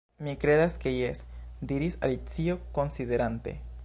"Mi kredas ke jes," diris Alicio, konsiderante.